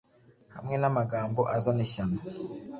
Hamwe namagambo azana ishyano